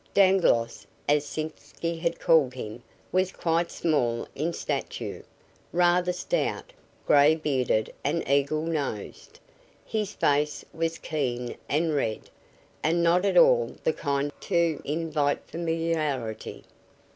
Dangloss, as Sitzky had called him, was quite small in stature, rather stout, gray bearded and eagle nosed. His face was keen and red, and not at all the kind to invite familiarity.